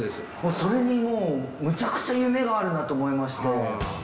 それにもうむちゃくちゃ夢があるなと思いまして。